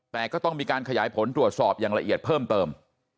แต่ก็ต้องมีการขยายผลตรวจสอบอย่างละเอียดเพิ่มเติม